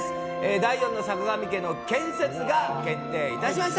第４のさかがみ家の建設が決定いたしました。